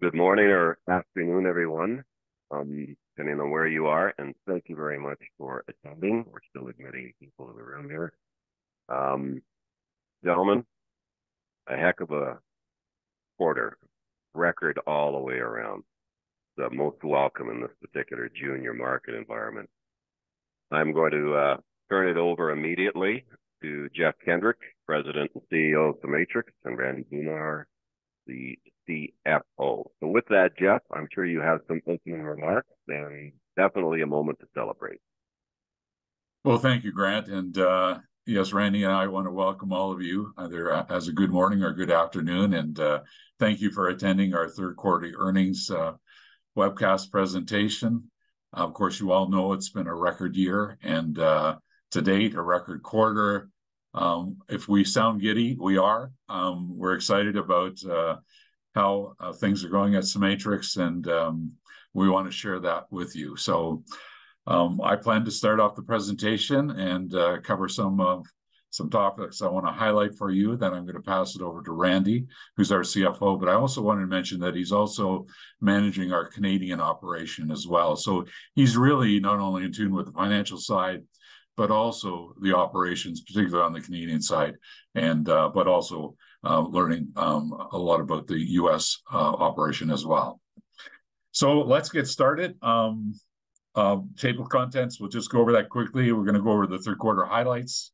Good morning or afternoon, everyone, depending on where you are, and thank you very much for attending. We're still admitting people in the room here. Gentlemen, a heck of a quarter. Record all the way around. So most welcome in this particular junior market environment. I'm going to turn it over immediately to Jeff Kendrick, President and CEO of CEMATRIX, and Randy Boomhour, the CFO. So with that, Jeff, I'm sure you have some opening remarks and definitely a moment to celebrate. Well, thank you, Grant, and yes, Randy and I want to welcome all of you, either as a good morning or good afternoon, and thank you for attending our third quarter earnings webcast presentation. Of course, you all know it's been a record year and to date, a record quarter. If we sound giddy, we are. We're excited about how things are going at CEMATRIX, and we want to share that with you. So I plan to start off the presentation and cover some topics I want to highlight for you, then I'm going to pass it over to Randy, who's our CFO. But I also wanted to mention that he's also managing our Canadian operation as well. So he's really not only in tune with the financial side, but also the operations, particularly on the Canadian side, and but also learning a lot about the U.S. operation as well. So let's get started. Table of contents, we'll just go over that quickly. We're gonna go over the third quarter highlights,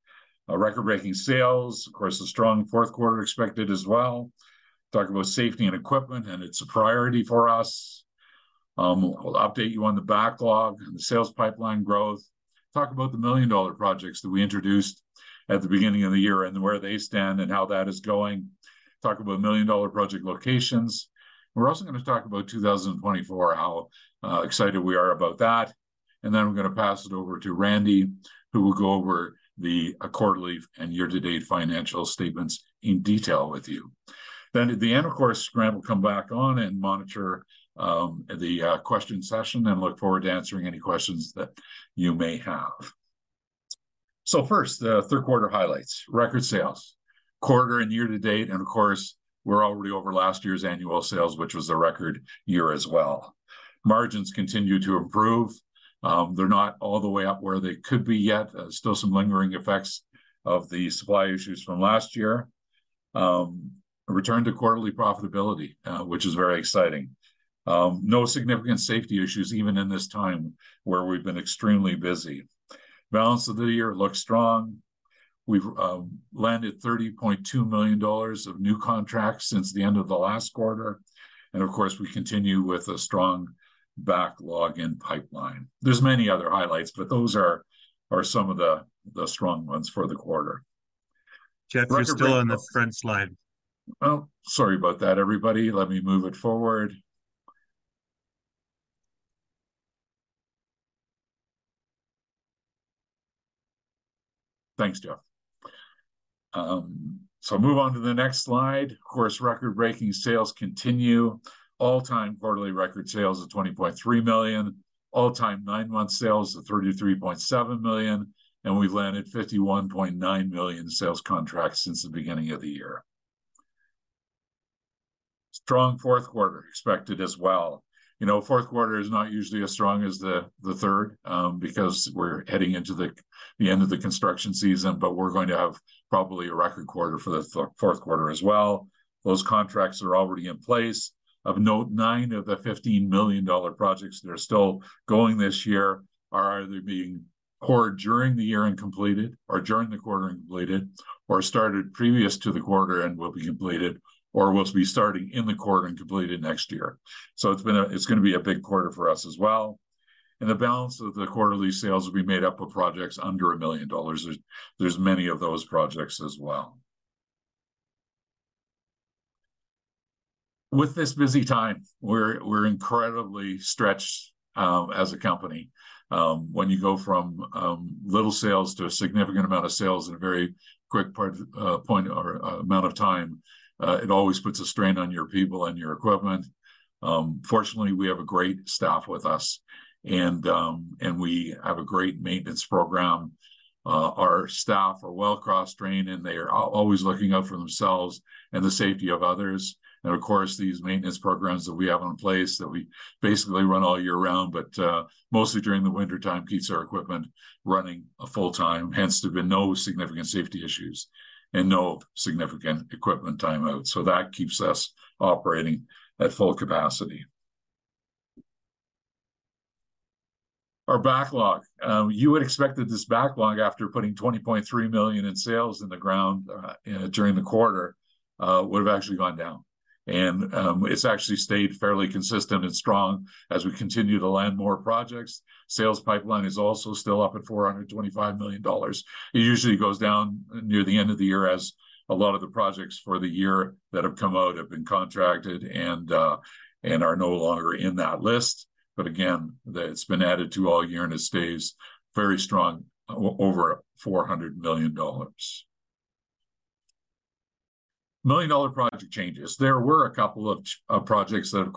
record-breaking sales, of course, a strong fourth quarter expected as well. Talk about safety and equipment, and it's a priority for us. We'll update you on the backlog and the sales pipeline growth. Talk about the million-dollar projects that we introduced at the beginning of the year and where they stand and how that is going. Talk about million-dollar project locations. We're also gonna talk about 2024, how excited we are about that. And then I'm gonna pass it over to Randy, who will go over the quarterly and year-to-date financial statements in detail with you. Then at the end, of course, Grant will come back on and monitor the question session, and look forward to answering any questions that you may have. So first, the third quarter highlights: record sales, quarter and year-to-date, and of course, we're already over last year's annual sales, which was a record year as well. Margins continue to improve. They're not all the way up where they could be yet, still some lingering effects of the supply issues from last year. A return to quarterly profitability, which is very exciting. No significant safety issues, even in this time where we've been extremely busy. Balance of the year looks strong. We've landed 30.2 million dollars of new contracts since the end of the last quarter, and of course, we continue with a strong backlog in pipeline. There's many other highlights, but those are some of the strong ones for the quarter. Jeff, you're still on the front slide. Well, sorry about that, everybody. Let me move it forward. Thanks, Jeff. So move on to the next slide. Of course, record-breaking sales continue. All-time quarterly record sales of 20.3 million, all-time nine-month sales of 33.7 million, and we've landed 51.9 million sales contracts since the beginning of the year. Strong fourth quarter expected as well. You know, fourth quarter is not usually as strong as the third, because we're heading into the end of the construction season, but we're going to have probably a record quarter for the fourth quarter as well. Those contracts are already in place. Of note, nine of the $15 million projects that are still going this year are either being poured during the year and completed, or during the quarter and completed, or started previous to the quarter and will be completed, or will be starting in the quarter and completed next year. So it's been, it's gonna be a big quarter for us as well, and the balance of the quarterly sales will be made up of projects under $1 million. There's many of those projects as well. With this busy time, we're incredibly stretched as a company. When you go from little sales to a significant amount of sales in a very quick part, point or amount of time, it always puts a strain on your people and your equipment. Fortunately, we have a great staff with us, and we have a great maintenance program. Our staff are well cross-trained, and they are always looking out for themselves and the safety of others. Of course, these maintenance programs that we have in place that we basically run all year round, but mostly during the wintertime, keeps our equipment running full-time. Hence, there have been no significant safety issues and no significant equipment timeout, so that keeps us operating at full capacity. Our backlog. You would expect this backlog, after putting 20.3 million in sales in the ground during the quarter, would have actually gone down. It's actually stayed fairly consistent and strong as we continue to land more projects. Sales pipeline is also still up at 425 million dollars. It usually goes down near the end of the year, as a lot of the projects for the year that have come out have been contracted and are no longer in that list. But again, that's been added to all year, and it stays very strong, over $400 million. Million-dollar project changes. There were a couple of projects that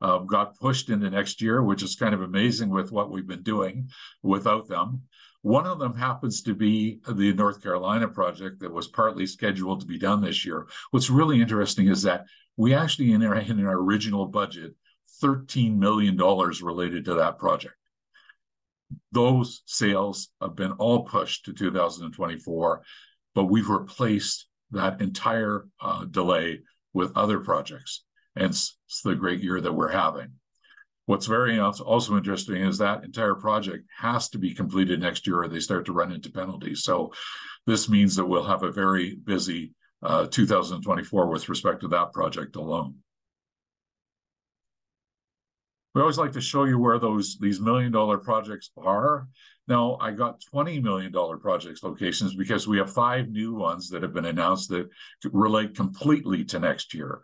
got pushed into next year, which is kind of amazing with what we've been doing without them. One of them happens to be the North Carolina project that was partly scheduled to be done this year. What's really interesting is that we actually, in our original budget, $13 million related to that project. Those sales have been all pushed to 2024, but we've replaced that entire delay with other projects, and it's the great year that we're having. What's very also interesting is that entire project has to be completed next year, or they start to run into penalties, so this means that we'll have a very busy 2024 with respect to that project alone. We always like to show you where these $1 million projects are. Now, I got $20 million projects locations, because we have five new ones that have been announced that relate completely to next year,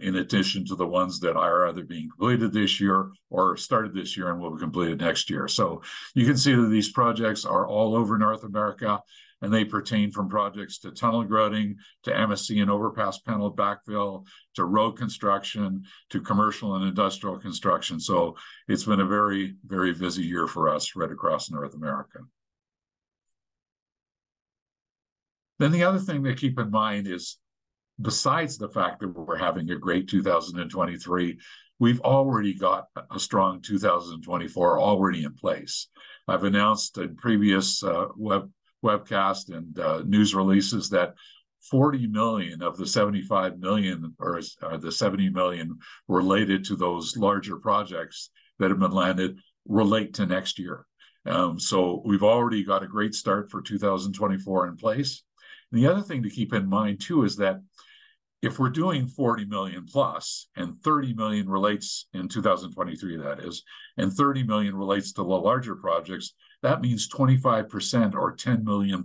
in addition to the ones that are either being completed this year or started this year and will be completed next year. So you can see that these projects are all over North America, and they pertain from projects to tunnel grouting, to MSE and overpass panel backfill, to road construction, to commercial and industrial construction. So it's been a very, very busy year for us right across North America. Then the other thing to keep in mind is, besides the fact that we're having a great 2023, we've already got a strong 2024 already in place. I've announced in previous webcast and news releases that 40 million of the 75 million, or the 70 million related to those larger projects that have been landed relate to next year. So we've already got a great start for 2024 in place. And the other thing to keep in mind, too, is that if we're doing 40 million+, and 30 million relates, in 2023 that is, and 30 million relates to the larger projects, that means 25% or 10 million+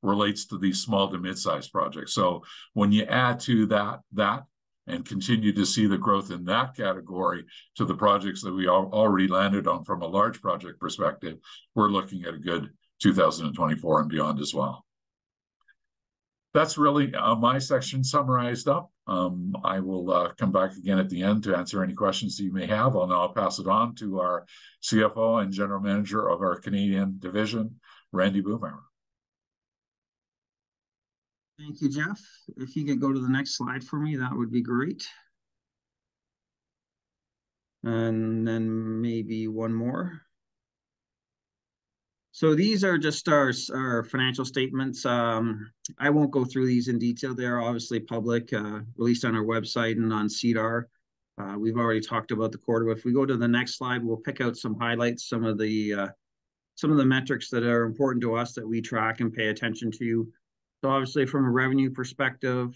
relates to these small to mid-sized projects. So when you add to that, that, and continue to see the growth in that category to the projects that we already landed on from a large project perspective, we're looking at a good 2024 and beyond as well. That's really, my section summarized up. I will come back again at the end to answer any questions that you may have, and I'll pass it on to our CFO and general manager of our Canadian division, Randy Boomhour. Thank you, Jeff. If you could go to the next slide for me, that would be great. And then maybe one more. So these are just our financial statements. I won't go through these in detail. They're obviously public, released on our website and on SEDAR. We've already talked about the quarter, but if we go to the next slide, we'll pick out some highlights, some of the, some of the metrics that are important to us that we track and pay attention to. So obviously, from a revenue perspective,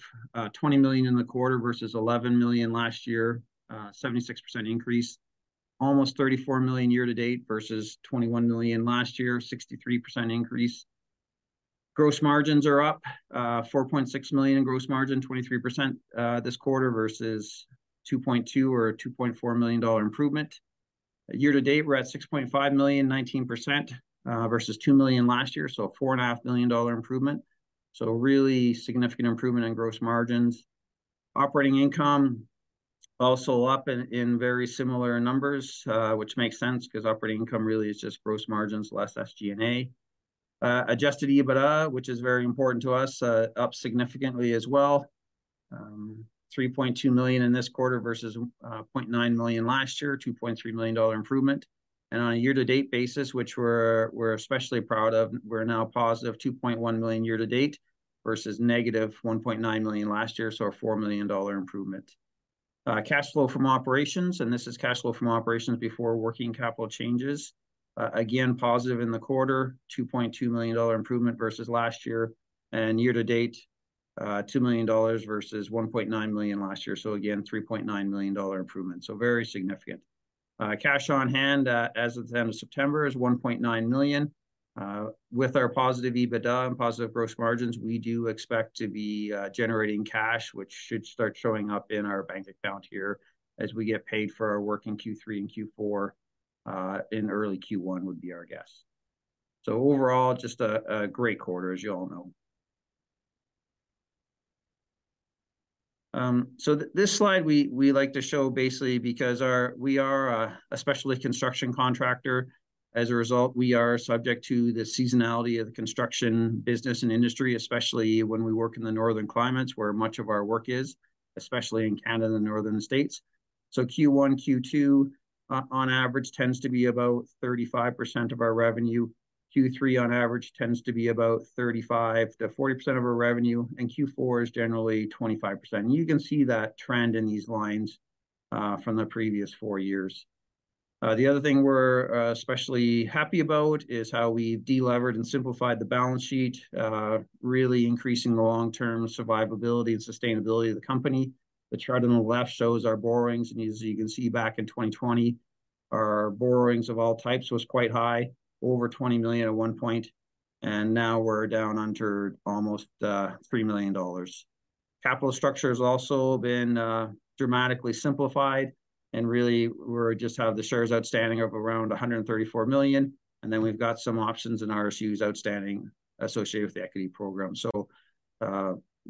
20 million in the quarter versus 11 million last year, 76% increase. Almost 34 million year-to-date versus 21 million last year, 63% increase. Gross margins are up, 4.6 million in gross margin, 23% this quarter versus 2.2 million or a 2.4 million dollar improvement. year-to-date, we're at 6.5 million, 19%, versus 2 million last year, so a 4.5 million dollar improvement. So really significant improvement in gross margins. Operating income also up in very similar numbers, which makes sense, 'cause operating income really is just gross margins less SG&A. Adjusted EBITDA, which is very important to us, up significantly as well, 3.2 million in this quarter versus 0.9 million last year, 2.3 million dollar improvement. On a year-to-date basis, which we're especially proud of, we're now positive 2.1 million year-to-date versus -1.9 million last year, so a 4 million dollar improvement. Cash flow from operations, and this is cash flow from operations before working capital changes. Again, positive in the quarter, 2.2 million dollar improvement versus last year, and year-to-date, 2 million dollars versus 1.9 million last year. So again, 3.9 million dollar improvement, so very significant. Cash on hand, as of the end of September, is 1.9 million. With our positive EBITDA and positive gross margins, we do expect to be generating cash, which should start showing up in our bank account here as we get paid for our work in Q3 and Q4, in early Q1 would be our guess. So overall, just a great quarter, as you all know. So this slide, we like to show basically because we are a specialist construction contractor. As a result, we are subject to the seasonality of the construction business and industry, especially when we work in the northern climates, where much of our work is, especially in Canada and northern states. So Q1, Q2, on average, tends to be about 35% of our revenue. Q3, on average, tends to be about 35%-40% of our revenue, and Q4 is generally 25%. You can see that trend in these lines from the previous four years. The other thing we're especially happy about is how we've delevered and simplified the balance sheet, really increasing the long-term survivability and sustainability of the company. The chart on the left shows our borrowings, and as you can see, back in 2020, our borrowings of all types was quite high, over 20 million at one point, and now we're down under almost 3 million dollars. Capital structure has also been dramatically simplified, and really, we're just have the shares outstanding of around 134 million, and then we've got some options and RSUs outstanding associated with the equity program. So,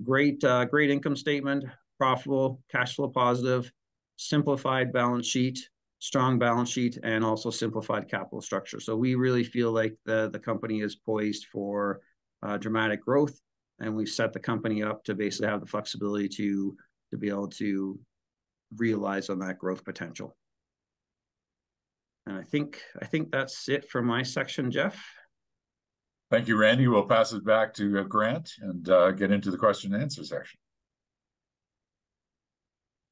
great, great income statement, profitable, cash flow positive, simplified balance sheet, strong balance sheet, and also simplified capital structure. We really feel like the company is poised for dramatic growth, and we've set the company up to basically have the flexibility to be able to realize on that growth potential. I think that's it for my section, Jeff. Thank you, Randy. We'll pass it back to Grant, and get into the question-and-answer section.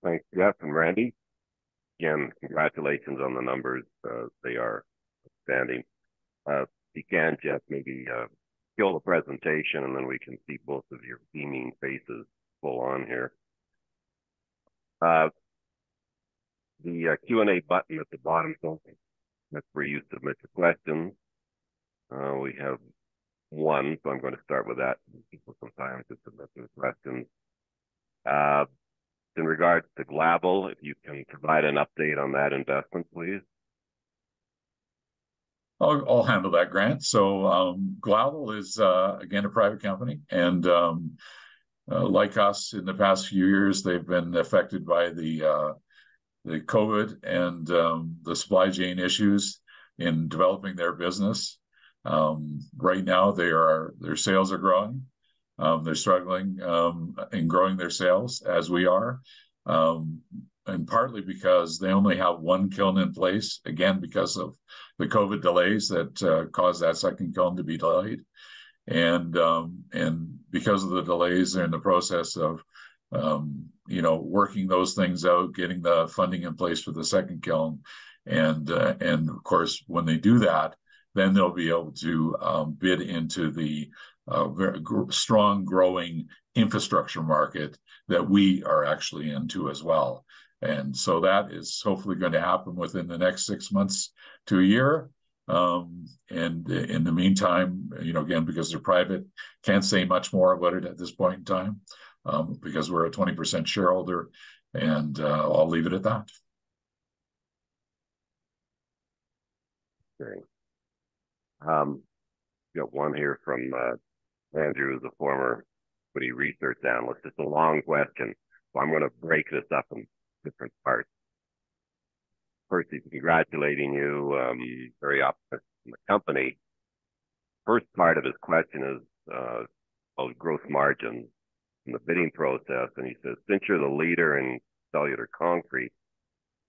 Thanks, Jeff and Randy. Again, congratulations on the numbers. They are outstanding. If you can, Jeff, maybe kill the presentation, and then we can see both of your beaming faces full on here. The Q&A button here at the bottom, that's where you submit your questions. We have one, so I'm gonna start with that. People sometimes just submit those questions. In regards to Glavel, if you can provide an update on that investment, please. I'll handle that, Grant. So, Glavel is, again, a private company, and, like us, in the past few years, they've been affected by the, the COVID and, the supply chain issues in developing their business. Right now, their sales are growing. They're struggling, in growing their sales, as we are, and partly because they only have one kiln in place, again, because of the COVID delays that, caused that second kiln to be delayed. And, because of the delays, they're in the process of, you know, working those things out, getting the funding in place for the second kiln. And, of course, when they do that, then they'll be able to, bid into the, very strong, growing infrastructure market that we are actually into as well. So that is hopefully gonna happen within the next six months to a year. In the meantime, you know, again, because they're private, can't say much more about it at this point in time, because we're a 20% shareholder, and I'll leave it at that. Great. Got one here from Andrew, the former equity research analyst. It's a long question, so I'm gonna break this up in different parts. First, he's congratulating you. He's very optimistic in the company. First part of his question is about growth margins in the bidding process, and he says, "Since you're the leader in cellular concrete,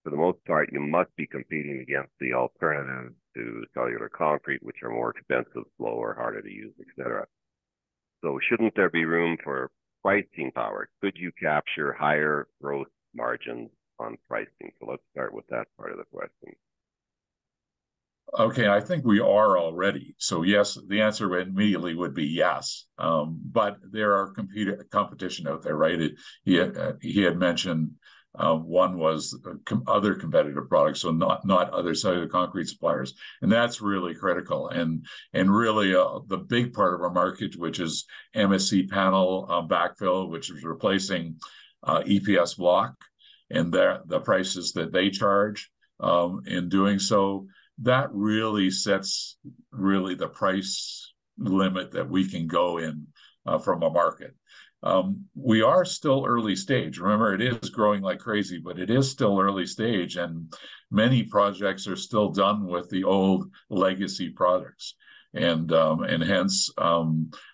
for the most part, you must be competing against the alternatives to cellular concrete, which are more expensive, slower, harder to use, et cetera. So shouldn't there be room for pricing power? Could you capture higher growth margins on pricing?" So let's start with that part of the question. Okay, I think we are already. So yes, the answer immediately would be yes. But there is competition out there, right? He had mentioned one was other competitive products, so not other cellular concrete suppliers, and that's really critical. And really, the big part of our market, which is MSE panel backfill, which is replacing EPS block, and the prices that they charge in doing so, that really sets the price limit that we can go in from a market. We are still early stage. Remember, it is growing like crazy, but it is still early stage, and many projects are still done with the old legacy products. And hence,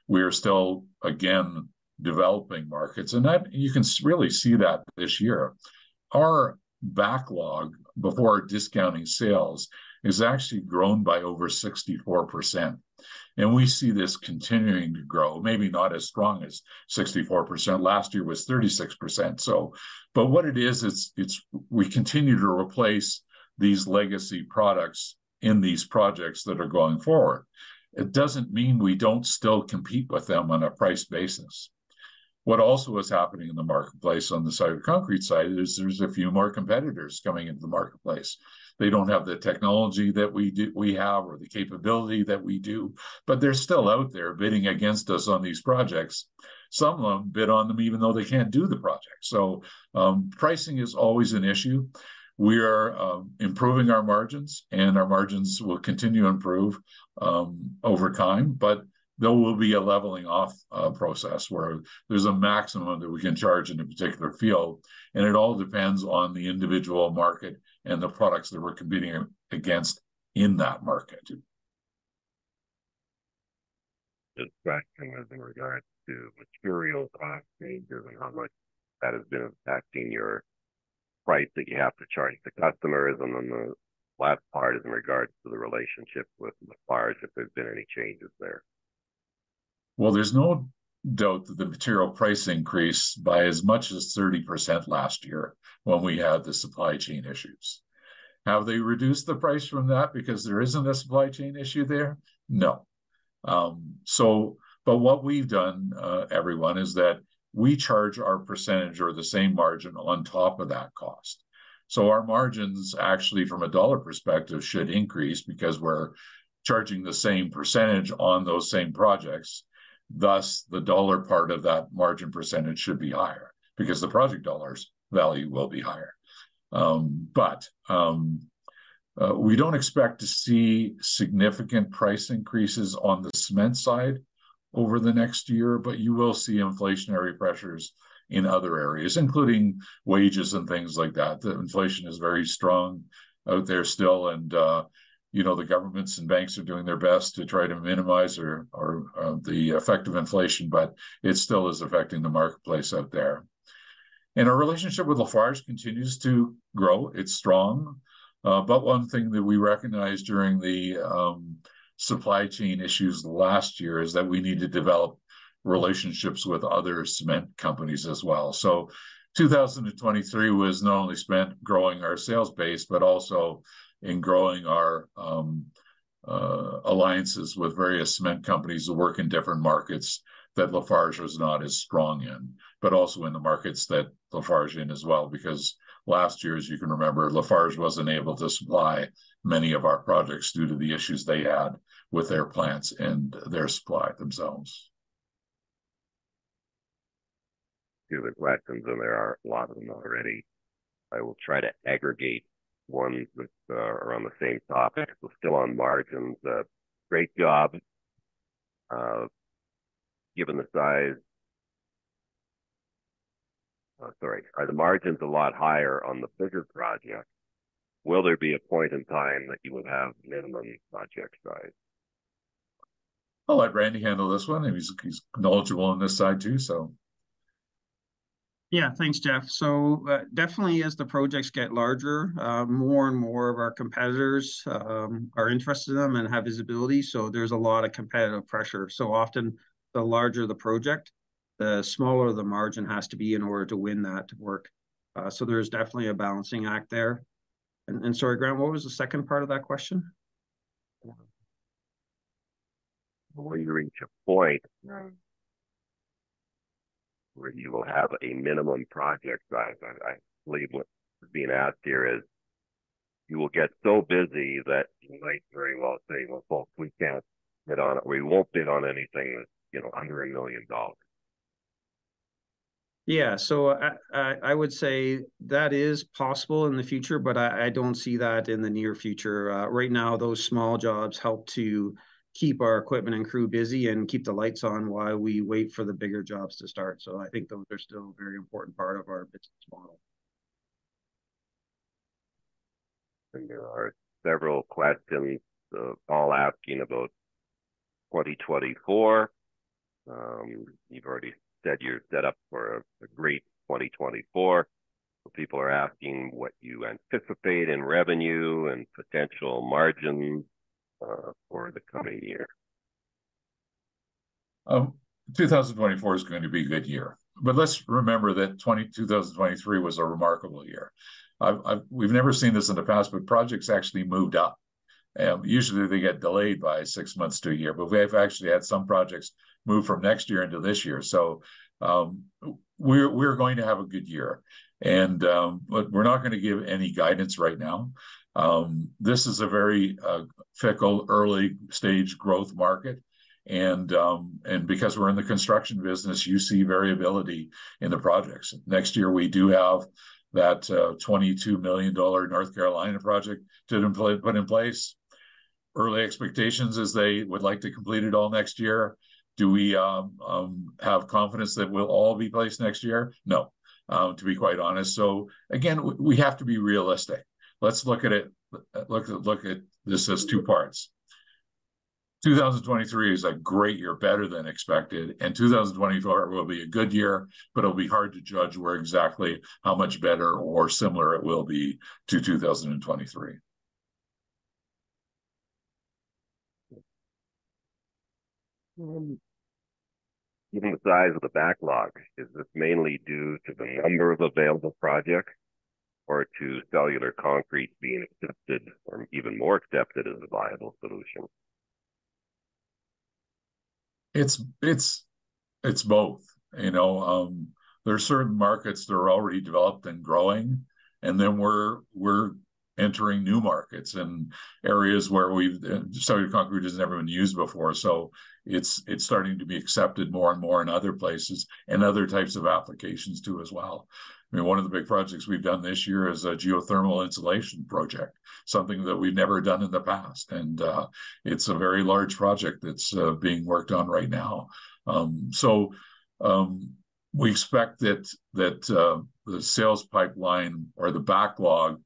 we are still again developing markets. And that you can really see that this year. Our backlog before discounting sales has actually grown by over 64%, and we see this continuing to grow, maybe not as strong as 64%. Last year was 36%, so... But what it is, it's we continue to replace these legacy products in these projects that are going forward. It doesn't mean we don't still compete with them on a price basis. What also is happening in the marketplace on the cellular concrete side is there's a few more competitors coming into the marketplace. They don't have the technology that we do- we have or the capability that we do, but they're still out there bidding against us on these projects. Some of them bid on them even though they can't do the project. So, pricing is always an issue. We are improving our margins, and our margins will continue to improve over time, but there will be a leveling off process, where there's a maximum that we can charge in a particular field, and it all depends on the individual market and the products that we're competing against in that market. This question is in regards to material cost changes, and how much that has been impacting your price that you have to charge the customers. And then the last part is in regards to the relationship with suppliers, if there's been any changes there. Well, there's no doubt that the material price increased by as much as 30% last year when we had the supply chain issues. Have they reduced the price from that because there isn't a supply chain issue there? No. so but what we've done, everyone, is that we charge our percentage or the same margin on top of that cost. So our margins, actually, from a dollar perspective, should increase because we're charging the same percentage on those same projects, thus, the dollar part of that margin percentage should be higher because the project dollars value will be higher. but, we don't expect to see significant price increases on the cement side over the next year, but you will see inflationary pressures in other areas, including wages and things like that. The inflation is very strong out there still, and, you know, the governments and banks are doing their best to try to minimize or, the effect of inflation, but it still is affecting the marketplace out there. And our relationship with Lafarge continues to grow. It's strong, but one thing that we recognized during the, supply chain issues last year is that we need to develop relationships with other cement companies as well. So 2023 was not only spent growing our sales base, but also in growing our, alliances with various cement companies that work in different markets that Lafarge was not as strong in, but also in the markets that Lafarge is in as well. Because last year, as you can remember, Lafarge wasn't able to supply many of our projects due to the issues they had with their plants and their supply themselves. few of the questions, and there are a lot of them already, I will try to aggregate ones which are on the same topic. So still on margins, great job, given the size... Sorry, are the margins a lot higher on the bigger projects? Will there be a point in time that you would have minimum project size? I'll let Randy handle this one. He's knowledgeable on this side, too, so. Yeah, thanks, Jeff. So, definitely as the projects get larger, more and more of our competitors are interested in them and have visibility, so there's a lot of competitive pressure. So often, the larger the project, the smaller the margin has to be in order to win that work. So there's definitely a balancing act there. And sorry, Grant, what was the second part of that question? Will you reach a point where you will have a minimum project size? I believe what's being asked here is, you will get so busy that you might very well say, "Well, folks, we can't bid on it. We won't bid on anything that's, you know, under 1 million dollars. Yeah, so I would say that is possible in the future, but I don't see that in the near future. Right now, those small jobs help to keep our equipment and crew busy and keep the lights on while we wait for the bigger jobs to start, so I think those are still a very important part of our business model. There are several questions, all asking about 2024. You've already said you're set up for a great 2024. People are asking what you anticipate in revenue and potential margin, for the coming year. 2024 is going to be a good year, but let's remember that 2023 was a remarkable year. We've never seen this in the past, but projects actually moved up. Usually they get delayed by six months to a year, but we've actually had some projects move from next year into this year. So, we're going to have a good year, and but we're not going to give any guidance right now. This is a very fickle, early-stage growth market, and and because we're in the construction business, you see variability in the projects. Next year, we do have that 22 million dollar North Carolina project to put in place. Early expectations is they would like to complete it all next year. Do we have confidence that it will all be placed next year? No, to be quite honest. So again, we have to be realistic. Let's look at it, look at this as two parts. 2023 is a great year, better than expected, and 2024 will be a good year, but it'll be hard to judge where exactly how much better or similar it will be to 2023. Given the size of the backlog, is this mainly due to the number of available projects or to cellular concrete being accepted or even more accepted as a viable solution? It's both, you know. There are certain markets that are already developed and growing, and then we're entering new markets and areas where cellular concrete hasn't ever been used before, so it's starting to be accepted more and more in other places, and other types of applications, too, as well. I mean, one of the big projects we've done this year is a geothermal insulation project, something that we've never done in the past, and it's a very large project that's being worked on right now. So we expect that the sales pipeline or the backlog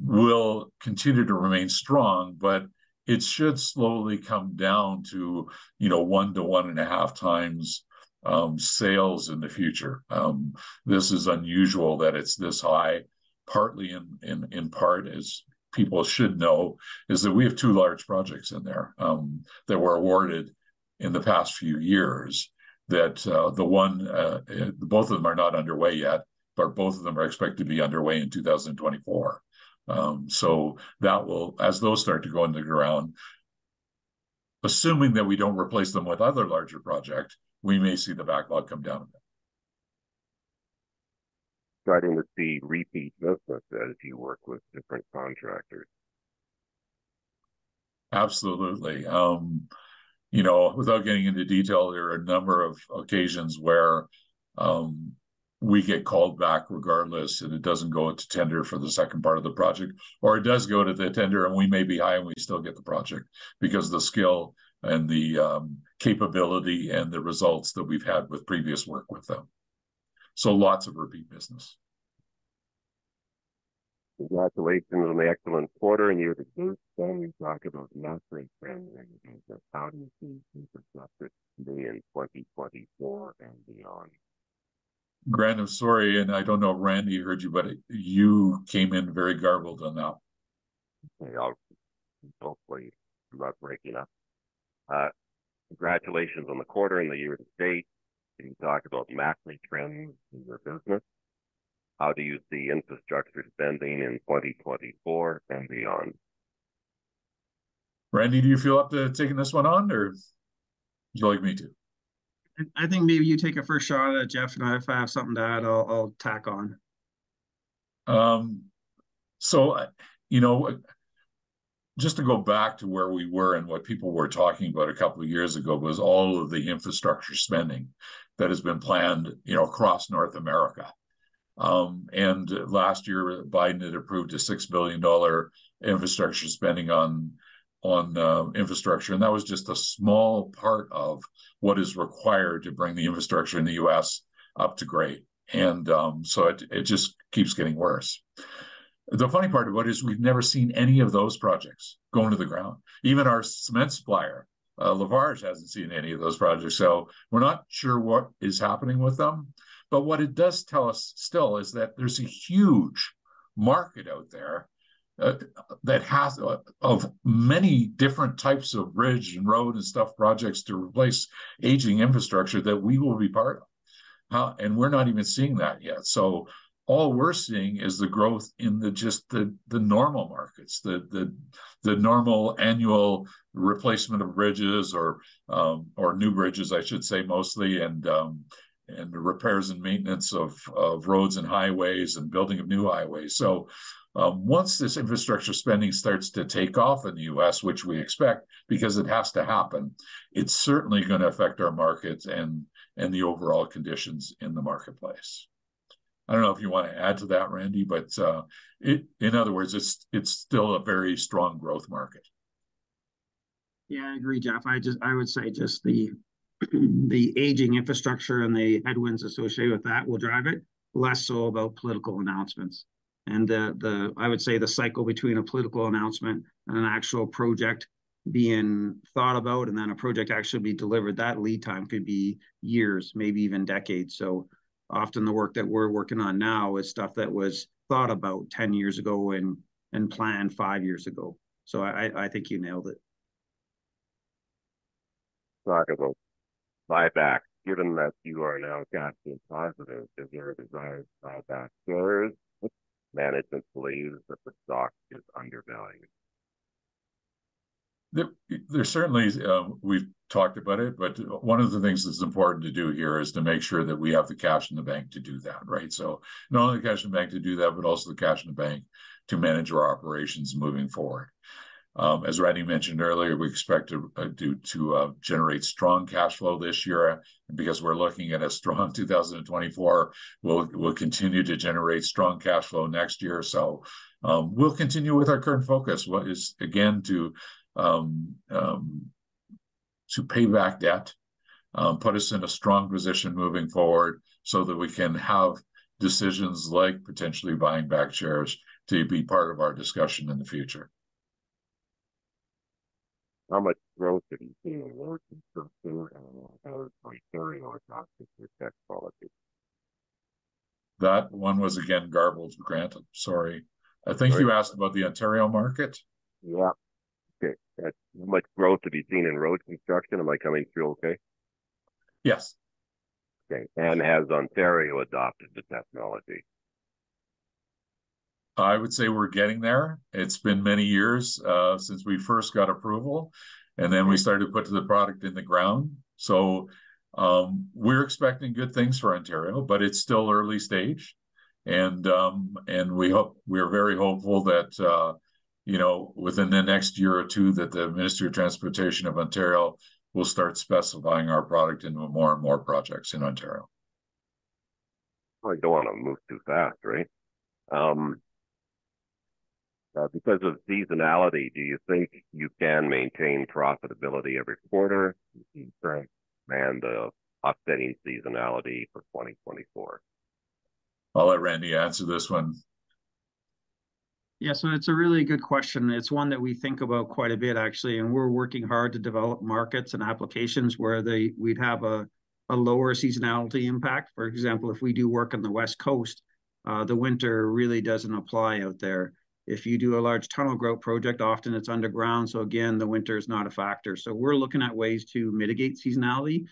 will continue to remain strong, but it should slowly come down to, you know, 1x-1.5x sales in the future. This is unusual that it's this high, partly in part, as people should know, is that we have two large projects in there, that were awarded in the past few years, that both of them are not underway yet, but both of them are expected to be underway in 2024. So that will... as those start to go in the ground, assuming that we don't replace them with other larger projects, we may see the backlog come down a bit. Starting to see repeat business as you work with different contractors? Absolutely. You know, without getting into detail, there are a number of occasions where we get called back regardless, and it doesn't go into tender for the second part of the project, or it does go to the tender, and we may be high, and we still get the project because the skill and the capability and the results that we've had with previous work with them. So lots of repeat business. Congratulations on the excellent quarter and year-to-date. Can you talk about macro trends and how do you see infrastructure today in 2024 and beyond? Grant, I'm sorry, and I don't know if Randy heard you, but you came in very garbled on that. Okay, I'll hopefully without breaking up. Congratulations on the quarter and the year-to-date. Can you talk about macro trends in your business? How do you see infrastructure spending in 2024 and beyond? Randy, do you feel up to taking this one on, or would you like me to? I think maybe you take a first shot at it, Jeff, and if I have something to add, I'll tack on. So, you know, just to go back to where we were and what people were talking about a couple of years ago was all of the infrastructure spending that has been planned, you know, across North America. And last year, Biden had approved a $6 billion infrastructure spending on infrastructure, and that was just a small part of what is required to bring the infrastructure in the U.S. up to grade. So it just keeps getting worse. The funny part about it is we've never seen any of those projects go into the ground. Even our cement supplier, Lafarge, hasn't seen any of those projects, so we're not sure what is happening with them. But what it does tell us still is that there's a huge market out there, that has of many different types of bridge and road and stuff, projects to replace aging infrastructure that we will be part of. And we're not even seeing that yet. So all we're seeing is the growth in just the normal markets, the normal annual replacement of bridges or new bridges, I should say mostly, and the repairs and maintenance of roads and highways and building of new highways. So, once this infrastructure spending starts to take off in the U.S., which we expect, because it has to happen, it's certainly gonna affect our markets and the overall conditions in the marketplace. I don't know if you want to add to that, Randy, but in other words, it's still a very strong growth market. Yeah, I agree, Jeff. I just would say just the aging infrastructure and the headwinds associated with that will drive it, less so about political announcements. And the, I would say, the cycle between a political announcement and an actual project being thought about and then a project actually being delivered, that lead time could be years, maybe even decades. So often the work that we're working on now is stuff that was thought about 10 years ago and planned five years ago. So I think you nailed it. Talk about buybacks. Given that you are now cash flow positive, is there a desire to buy back shares? Management believes that the stock is undervalued. There, there certainly is... We've talked about it, but, one of the things that's important to do here is to make sure that we have the cash in the bank to do that, right? So not only the cash in the bank to do that, but also the cash in the bank to manage our operations moving forward. As Randy mentioned earlier, we expect to generate strong cash flow this year. Because we're looking at a strong 2024, we'll continue to generate strong cash flow next year. So, we'll continue with our current focus, what is, again, to pay back debt, put us in a strong position moving forward so that we can have decisions like potentially buying back shares to be part of our discussion in the future. How much growth have you seen in road construction, and has Ontario adopted your technology? That one was, again, garbled, Grant. Sorry. Right. I think you asked about the Ontario market? Yeah. Okay, how much growth have you seen in road construction? Am I coming through okay? Yes. Okay, and has Ontario adopted the technology? I would say we're getting there. It's been many years since we first got approval, and then we started to put the product in the ground. So, we're expecting good things for Ontario, but it's still early stage. And we hope, we are very hopeful that, you know, within the next year or two, that the Ministry of Transportation of Ontario will start specifying our product into more and more projects in Ontario. Well, you don't want to move too fast, right? Because of seasonality, do you think you can maintain profitability every quarter, despite the offsetting seasonality for 2024? I'll let Randy answer this one. Yeah, so it's a really good question. It's one that we think about quite a bit, actually, and we're working hard to develop markets and applications where we'd have a lower seasonality impact. For example, if we do work on the West Coast, the winter really doesn't apply out there. If you do a large tunnel grout project, often it's underground, so again, the winter is not a factor. So we're looking at ways to mitigate seasonality.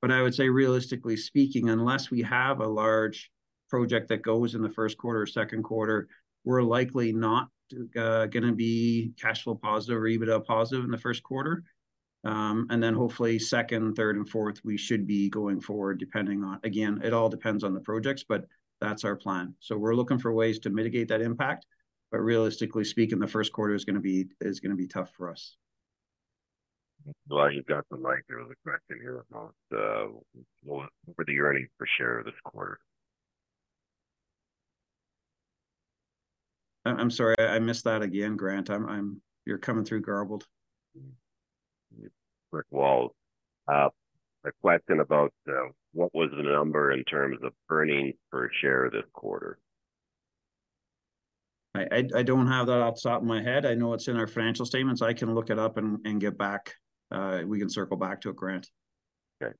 But I would say, realistically speaking, unless we have a large project that goes in the first quarter or second quarter, we're likely not gonna be cash flow positive or EBITDA positive in the first quarter. And then hopefully second, third, and fourth, we should be going forward, depending on, again, it all depends on the projects, but that's our plan. So we're looking for ways to mitigate that impact, but realistically speaking, the first quarter is gonna be tough for us. Well, I just got the mic. There was a question here about what were the earnings per share this quarter? I'm sorry I missed that again, Grant. You're coming through garbled. Quick walls. The question about what was the number in terms of earnings per share this quarter? I don't have that off the top of my head. I know it's in our financial statements. I can look it up and get back, we can circle back to it, Grant. Okay.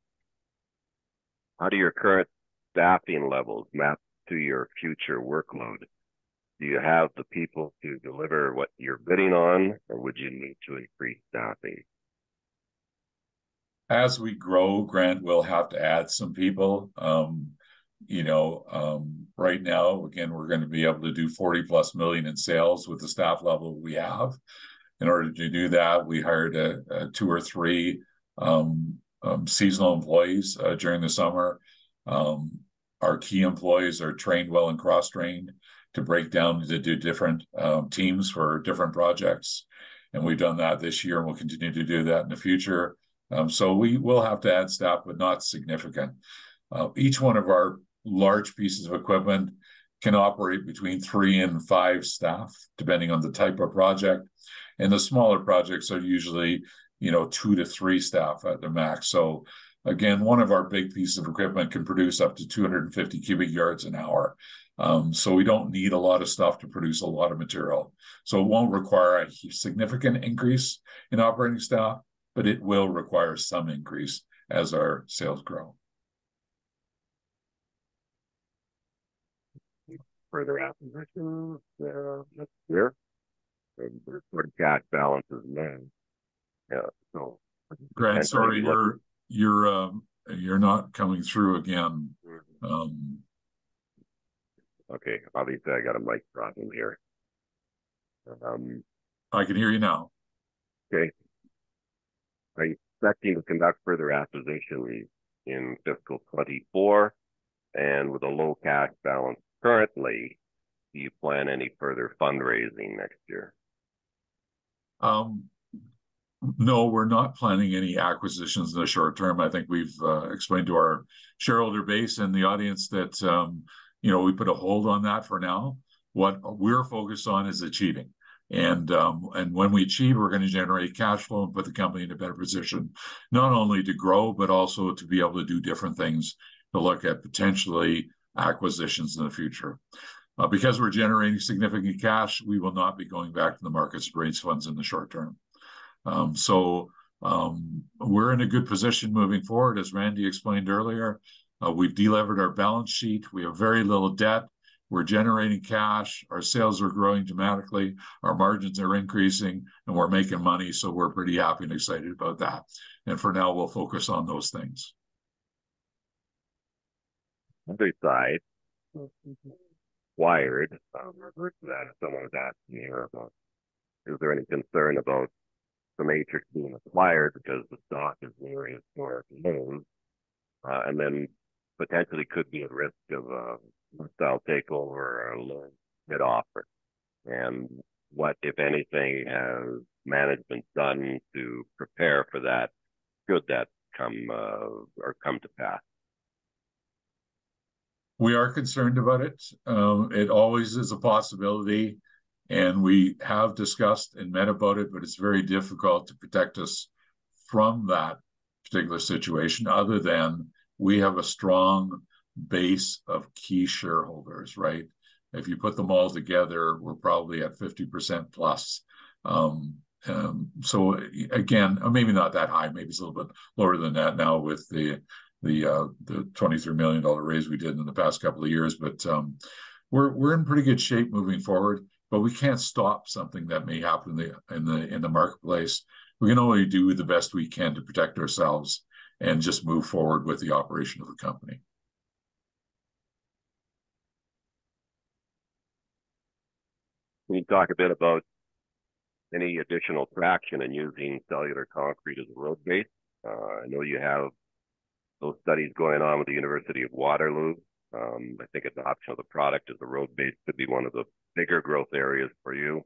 How do your current staffing levels map to your future workload? Do you have the people to deliver what you're bidding on, or would you need to increase staffing? As we grow, Grant, we'll have to add some people. You know, right now, again, we're gonna be able to do 40+ million in sales with the staff level we have. In order to do that, we hired two or three seasonal employees during the summer. Our key employees are trained well and cross-trained to break down to do different teams for different projects, and we've done that this year, and we'll continue to do that in the future. So we will have to add staff, but not significant. Each one of our large pieces of equipment can operate between three and five staff, depending on the type of project, and the smaller projects are usually, you know, two to three staff at the max. So again, one of our big pieces of equipment can produce up to 250 cubic yards an hour. So we don't need a lot of staff to produce a lot of material. So it won't require a significant increase in operating staff, but it will require some increase as our sales grow. Any further acquisitions there next year, and what cash balance is then? Yeah, so- Grant, sorry, you're not coming through again. Okay, obviously I got a mic problem here. I can hear you now. Okay. Are you expecting to conduct further acquisitions in fiscal 2024? With a low cash balance currently, do you plan any further fundraising next year? No, we're not planning any acquisitions in the short term. I think we've explained to our shareholder base and the audience that, you know, we put a hold on that for now. What we're focused on is achieving, and, and when we achieve, we're gonna generate cash flow and put the company in a better position, not only to grow, but also to be able to do different things, to look at potentially acquisitions in the future. Because we're generating significant cash, we will not be going back to the market to raise funds in the short term. So, we're in a good position moving forward. As Randy explained earlier, we've delevered our balance sheet. We have very little debt. We're generating cash. Our sales are growing dramatically. Our margins are increasing, and we're making money, so we're pretty happy and excited about that. For now, we'll focus on those things. On this side, someone was asking you about, is there any concern about CEMATRIX being acquired because the stock is nearing 4 million, and then potentially could be at risk of a hostile takeover or a low bid offer? And what, if anything, has management done to prepare for that, should that come, or come to pass? We are concerned about it. It always is a possibility, and we have discussed and met about it, but it's very difficult to protect us from that particular situation, other than we have a strong base of key shareholders, right? If you put them all together, we're probably at 50% plus. So again, maybe not that high, maybe it's a little bit lower than that now with the the 23 million dollar raise we did in the past couple of years, but, we're in pretty good shape moving forward, but we can't stop something that may happen in the marketplace. We can only do the best we can to protect ourselves and just move forward with the operation of the company. Can you talk a bit about any additional traction in using cellular concrete as a road base? I know you have those studies going on with the University of Waterloo. I think it's an option of the product as the road base could be one of the bigger growth areas for you.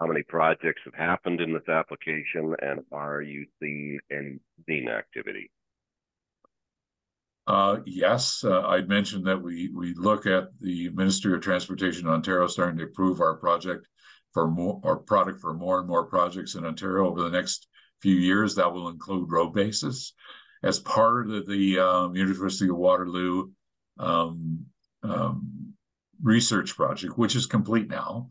How many projects have happened in this application, and are you seeing any activity? Yes. I'd mentioned that we look at the Ministry of Transportation in Ontario starting to approve our product for more and more projects in Ontario over the next few years. That will include road bases. As part of the University of Waterloo research project, which is complete now,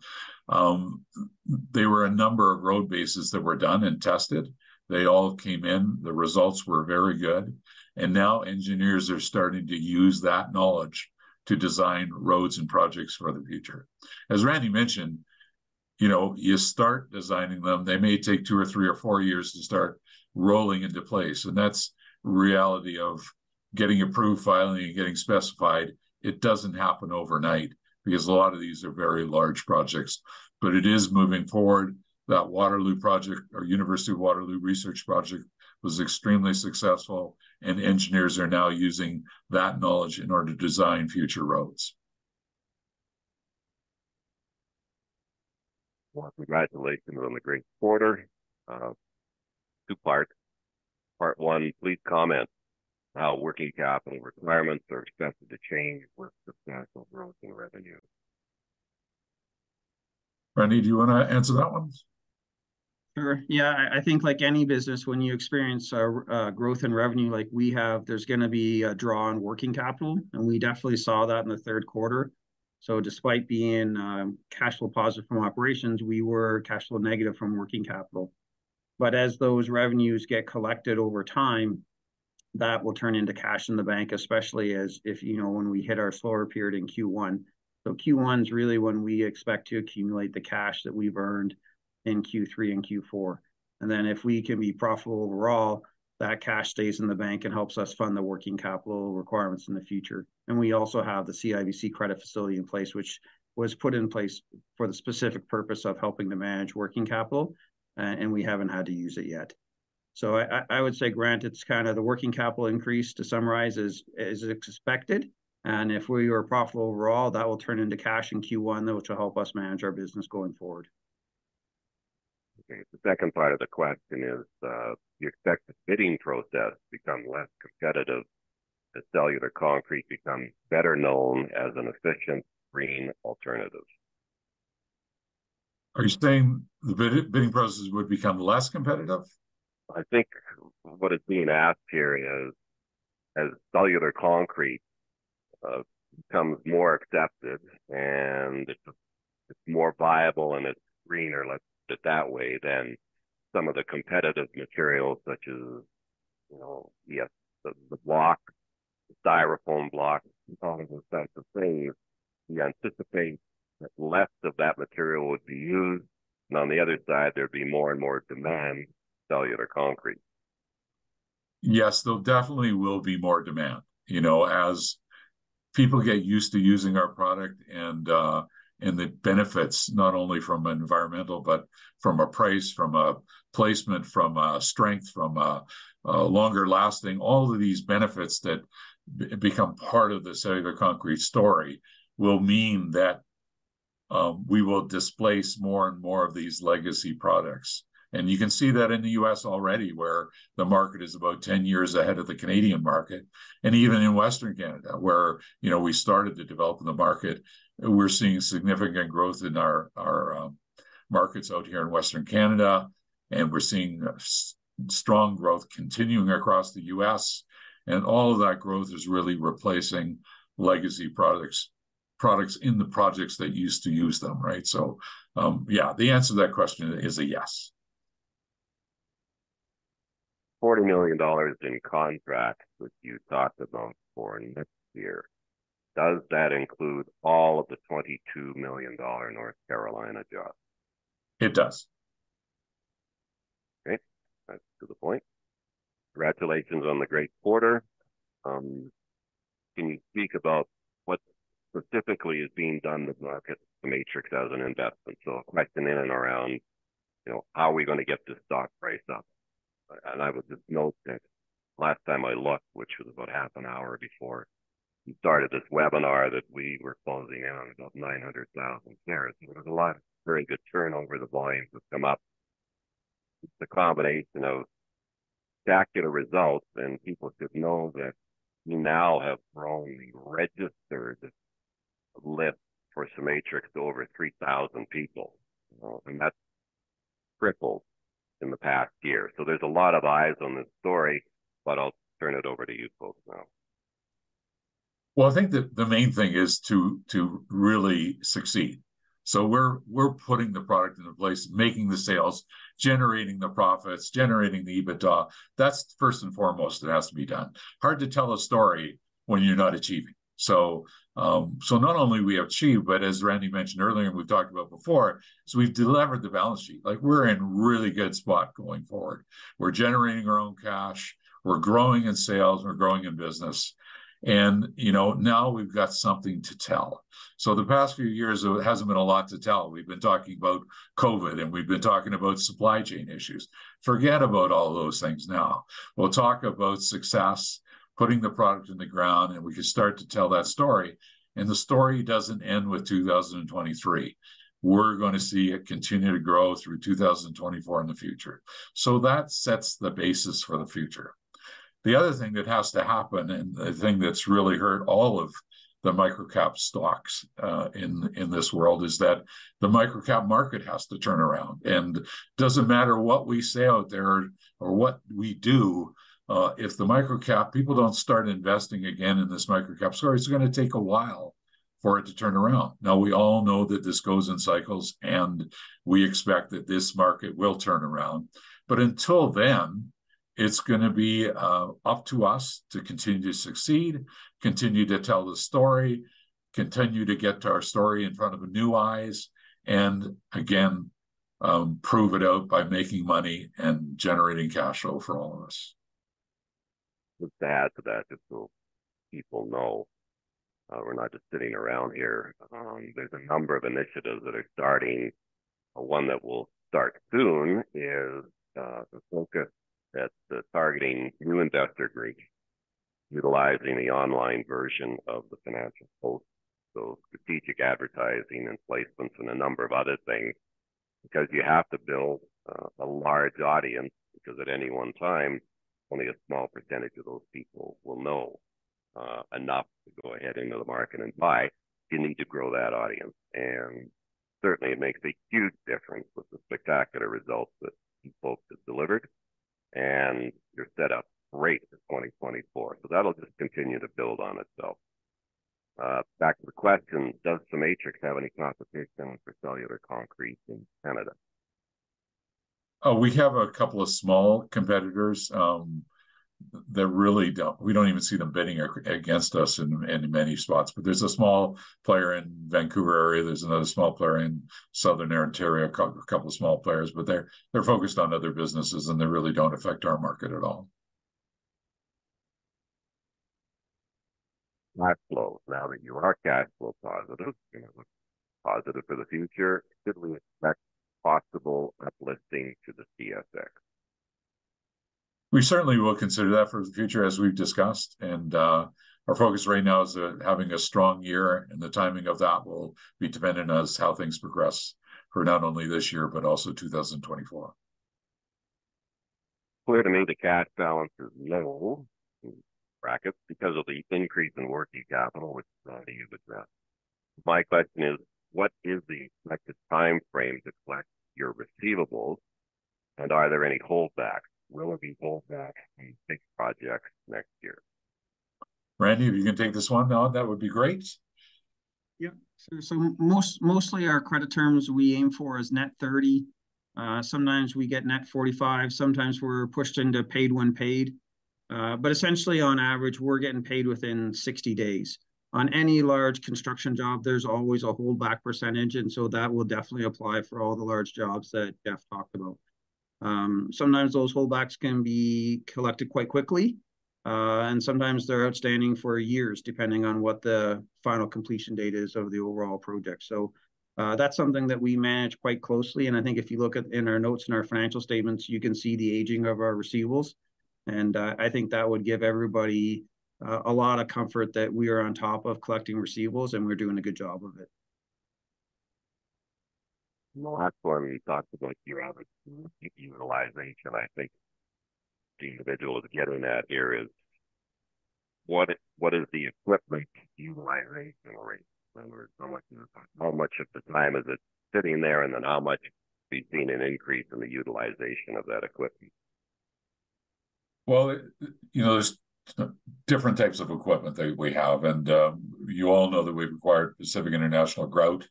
there were a number of road bases that were done and tested. They all came in. The results were very good, and now engineers are starting to use that knowledge to design roads and projects for the future. As Randy mentioned, you know, you start designing them, they may take two or three or four years to start rolling into place, and that's the reality of getting approved, filing, and getting specified. It doesn't happen overnight, because a lot of these are very large projects. But it is moving forward. That Waterloo project, or University of Waterloo research project, was extremely successful, and engineers are now using that knowledge in order to design future roads. Well, congratulations on the great quarter. Two part. Part one, please comment how working capital requirements are expected to change with substantial growth in revenue. Randy, do you wanna answer that one? Sure. Yeah, I think like any business, when you experience a growth in revenue like we have, there's gonna be a draw on working capital, and we definitely saw that in the third quarter. So despite being cash flow positive from operations, we were cash flow negative from working capital. But as those revenues get collected over time, that will turn into cash in the bank, especially as if, you know, when we hit our slower period in Q1. So Q1's really when we expect to accumulate the cash that we've earned in Q3 and Q4. And then if we can be profitable overall, that cash stays in the bank and helps us fund the working capital requirements in the future. And we also have the CIBC credit facility in place, which was put in place for the specific purpose of helping to manage working capital, and we haven't had to use it yet. So I would say, Grant, it's kind of the working capital increase, to summarize, is as expected, and if we are profitable overall, that will turn into cash in Q1, which will help us manage our business going forward. Okay, the second part of the question is, do you expect the bidding process to become less competitive as cellular concrete becomes better known as an efficient, green alternative? Are you saying the bidding process would become less competitive? I think what is being asked here is, as cellular concrete becomes more accepted, and it's more viable and it's greener, let's put it that way, than some of the competitive materials, such as, you know, the block, Styrofoam block, in terms of cost savings, you anticipate that less of that material would be used, and on the other side there'd be more and more demand for cellular concrete. Yes, there definitely will be more demand. You know, as people get used to using our product, and, and the benefits, not only from an environmental, but from a price, from a placement, from a strength, from a longer lasting, all of these benefits that become part of the cellular concrete story will mean that, we will displace more and more of these legacy products. And you can see that in the U.S. already, where the market is about 10 years ahead of the Canadian market. And even in Western Canada, where, you know, we started to develop in the market, we're seeing significant growth in our markets out here in Western Canada, and we're seeing strong growth continuing across the U.S. And all of that growth is really replacing legacy products, products in the projects that used to use them, right? Yeah, the answer to that question is a yes. 40 million dollars in contracts, which you talked about for next year, does that include all of the 22 million dollar North Carolina job? It does. Great. That's to the point. Congratulations on the great quarter. Can you speak about what specifically is being done to market the CEMATRIX as an investment? So question in and around, you know, how are we gonna get this stock price up? And I was just noting, last time I looked, which was about half an hour before you started this webinar, that we were closing in on about 900,000 shares. So there's a lot of very good turnover, the volumes have come up. It's a combination of spectacular results, and people should know that you now have grown the registered list for CEMATRIX to over 3,000 people, you know, and that's tripled in the past year. So there's a lot of eyes on this story, but I'll turn it over to you folks now. Well, I think the main thing is to really succeed. So we're putting the product into place, making the sales, generating the profits, generating the EBITDA. That's first and foremost, it has to be done. Hard to tell a story when you're not achieving. So not only we achieved, but as Randy mentioned earlier, and we've talked about before, so we've delivered the balance sheet. Like, we're in a really good spot going forward. We're generating our own cash, we're growing in sales, we're growing in business, and, you know, now we've got something to tell. So the past few years, there hasn't been a lot to tell. We've been talking about COVID, and we've been talking about supply chain issues. Forget about all those things now. We'll talk about success, putting the product in the ground, and we can start to tell that story, and the story doesn't end with 2023. We're gonna see it continue to grow through 2024 in the future. So that sets the basis for the future. The other thing that has to happen, and the thing that's really hurt all of the micro cap stocks, in, in this world, is that the micro cap market has to turn around. And doesn't matter what we say out there or what we do, if the micro cap- people don't start investing again in this micro cap story, it's gonna take a while for it to turn around. Now, we all know that this goes in cycles, and we expect that this market will turn around. But until then, it's gonna be up to us to continue to succeed, continue to tell the story, continue to get our story in front of the new eyes, and prove it out by making money and generating cash flow for all of us. Just to add to that, just so people know, we're not just sitting around here. There's a number of initiatives that are starting. One that will start soon is the focus that's targeting new investor groups, utilizing the online version of the Financial Post, so strategic advertising and placements and a number of other things. Because you have to build a large audience, because at any one time, only a small percentage of those people will know enough to go ahead into the market and buy. You need to grow that audience, and certainly it makes a huge difference with the spectacular results that you folks have delivered. And you're set up great for 2024. So that'll just continue to build on itself. Back to the question: Does CEMATRIX have any competition for cellular concrete in Canada? Oh, we have a couple of small competitors, that really don't... We don't even see them bidding against us in many spots. But there's a small player in Vancouver area, there's another small player in southern Ontario, couple of small players, but they're focused on other businesses, and they really don't affect our market at all. Cash flow. Now that you are cash flow positive and positive for the future, could we expect possible uplisting to the TSX? We certainly will consider that for the future, as we've discussed, and our focus right now is having a strong year, and the timing of that will be dependent on how things progress for not only this year, but also 2024. Clear to me, the cash balance is low, in brackets, because of the increase in working capital, which, you addressed. My question is: What is the expected timeframe to collect your receivables, and are there any holdbacks? Will there be holdbacks on big projects next year? Randy, if you can take this one now, that would be great. Yep. So, mostly our credit terms we aim for is net 30. Sometimes we get net 45, sometimes we're pushed into paid-when-paid. But essentially, on average, we're getting paid within 60 days. On any large construction job, there's always a holdback percentage, and so that will definitely apply for all the large jobs that Jeff talked about. Sometimes those holdbacks can be collected quite quickly, and sometimes they're outstanding for years, depending on what the final completion date is of the overall project. So, that's something that we manage quite closely, and I think if you look at, in our notes and our financial statements, you can see the aging of our receivables. I think that would give everybody a lot of comfort that we are on top of collecting receivables, and we're doing a good job of it. Well, that's where we talked about your asset utilization, and I think the individuals getting that here is what is the equipment utilization rate, when we're... How much of the time is it sitting there, and then how much have we seen an increase in the utilization of that equipment? Well, you know, there's different types of equipment that we have, and you all know that we've acquired Pacific International Grout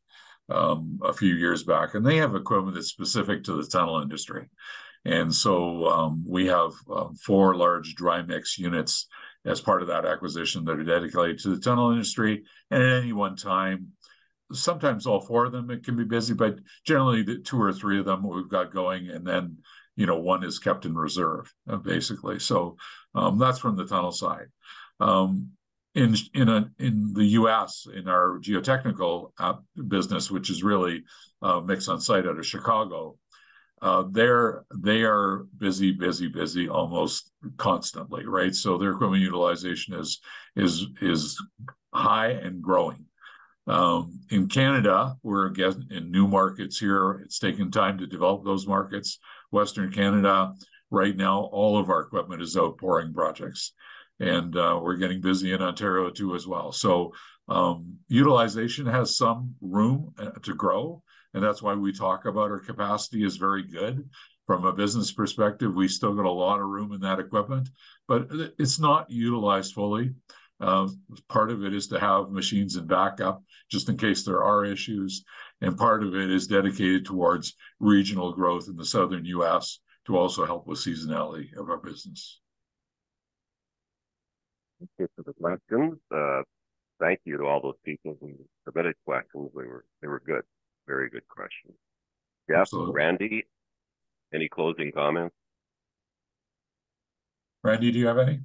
a few years back, and they have equipment that's specific to the tunnel industry. And so, we have four large dry mix units as part of that acquisition that are dedicated to the tunnel industry. And at any one time, sometimes all four of them, it can be busy, but generally, the two or three of them we've got going, and then, you know, one is kept in reserve, basically. So, that's from the tunnel side. In the US, in our geotechnical business, which is really MixOnSite out of Chicago, they are busy, busy, busy almost constantly, right? So their equipment utilization is high and growing. In Canada, we're again in new markets here. It's taking time to develop those markets. Western Canada, right now, all of our equipment is out pouring projects, and we're getting busy in Ontario, too, as well. So, utilization has some room to grow, and that's why we talk about our capacity is very good. From a business perspective, we still got a lot of room in that equipment, but it's not utilized fully. Part of it is to have machines in backup, just in case there are issues, and part of it is dedicated towards regional growth in the Southern U.S. to also help with seasonality of our business. Thank you for the questions. Thank you to all those people who submitted questions. They were, they were good. Very good questions. Absolutely. Jeff, Randy, any closing comments? Randy, do you have any?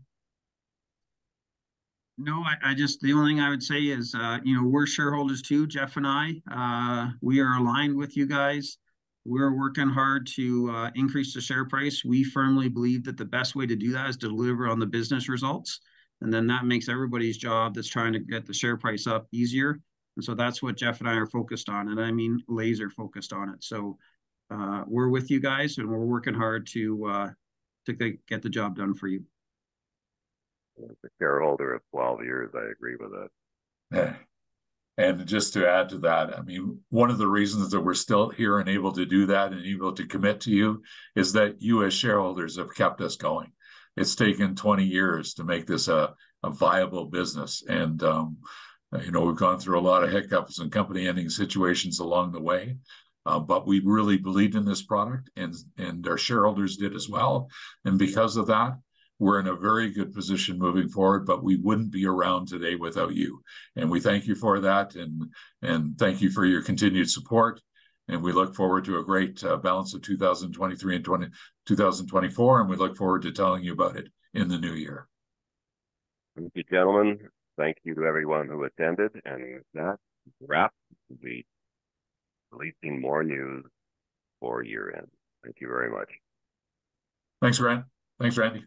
No, I just... The only thing I would say is, you know, we're shareholders, too, Jeff and I. We are aligned with you guys. We're working hard to increase the share price. We firmly believe that the best way to do that is deliver on the business results, and then that makes everybody's job that's trying to get the share price up easier. And so that's what Jeff and I are focused on, and I mean, laser focused on it. So, we're with you guys, and we're working hard to get the job done for you. As a shareholder of 12 years, I agree with that. Yeah. And just to add to that, I mean, one of the reasons that we're still here and able to do that and able to commit to you is that you, as shareholders, have kept us going. It's taken 20 years to make this a viable business. And, you know, we've gone through a lot of hiccups and company-ending situations along the way, but we really believed in this product, and our shareholders did as well. And because of that, we're in a very good position moving forward, but we wouldn't be around today without you. And we thank you for that, and thank you for your continued support, and we look forward to a great balance of 2023 and 2024, and we look forward to telling you about it in the new year. Thank you, gentlemen. Thank you to everyone who attended, and with that, wrap. We'll be releasing more news for year-end. Thank you very much. Thanks, Ryan. Thanks, Randy.